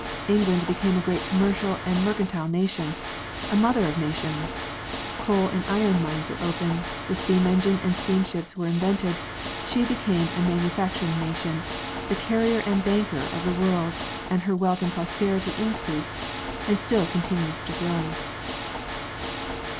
England became a great commercial and mercantile nation, a mother of nations; coal and iron mines were opened, the steam engine and steam ships were invented; she became a manu facturing nation, the carrier and banker of the world, and her wealth and prosperity increased and still continue to grow.